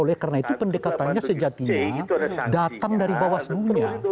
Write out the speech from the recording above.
oleh karena itu pendekatannya sejatinya datang dari bawaslunya